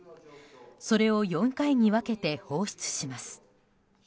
それを４回に分けて放出します。